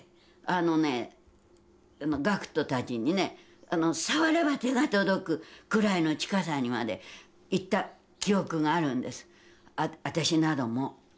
あのね学徒たちにね触れば手が届くくらいの近さにまで行った記憶があるんです私なども。